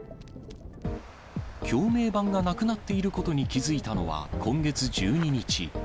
橋名板がなくなっていることに気付いたのは今月１２日。